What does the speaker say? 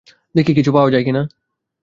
দেখি কিছু পাওয়া যায় কি না।